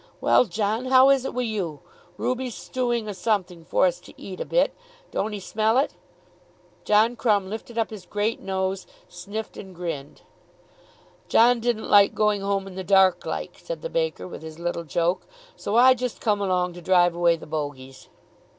Well, John, how is it wi' you? Ruby's a stewing o' something for us to eat a bit. Don't 'e smell it?" John Crumb lifted up his great nose, sniffed and grinned. "John didn't like going home in the dark like," said the baker, with his little joke. "So I just come along to drive away the bogies."